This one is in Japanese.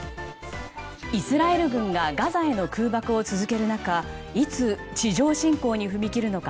イスラエル軍がガザへの空爆を続ける中いつ地上侵攻に踏み切るのか